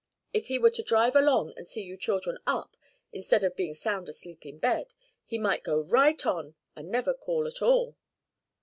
If he were to drive along and see you children up instead of being sound asleep in bed, he might go right on and never call at all."